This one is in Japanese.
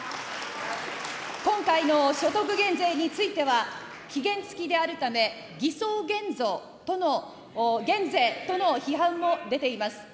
今回の所得減税については、期限付きであるため、偽装げんぞうとの、減税との批判も出ています。